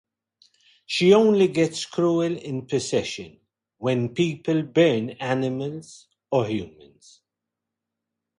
She only gets cruel in possession, when people burn animals or humans.